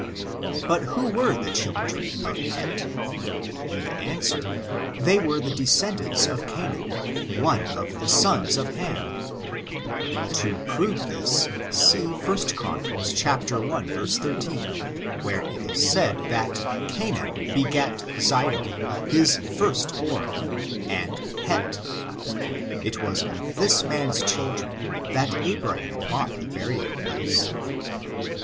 But who were the children of Hetlif We answer, they w^ere the descendants of Canaan, one of the sons of Ham. To prove this, see 1 Chron. i, 13, where it is said that Canaan begat JZidon his Jirst born, and Heth, It was of this man's children that Abraham bought the burying place.